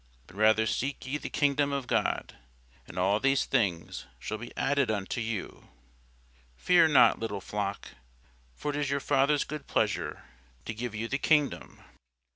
But rather seek ye the kingdom of God; and all these things shall be added unto you. Fear not, little flock; for it is your Father's good pleasure to give you the kingdom.